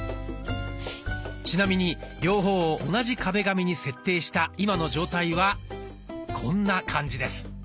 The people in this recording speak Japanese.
ちなみに両方を同じ壁紙に設定した今の状態はこんな感じです。